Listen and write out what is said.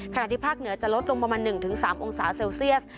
ขณะที่ภาคเหนือจะลดลงประมาณหนึ่งถึงสามองศาเซลเซียส